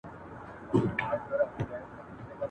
زما پر زړه باندي تل اورې زما یادېږې !.